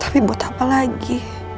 tapi buat apa lagi